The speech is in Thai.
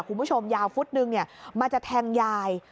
คุณผู้ชมยาวฟุตนึงมาจะแทงยาย